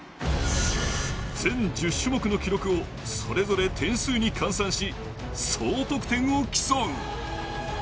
全１０種目の記録をそれぞれ点数に換算し、総得点を競う。